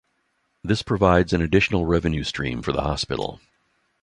This provides an additional revenue stream for the hospital.